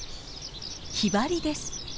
ヒバリです。